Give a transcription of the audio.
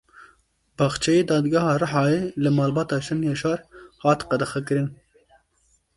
Baxçeyê Dadgeha Rihayê li Malbata Şenyaşar hat qedexekirin.